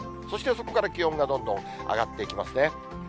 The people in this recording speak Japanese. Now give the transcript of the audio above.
そしてそこから気温がどんどん上がっていきますね。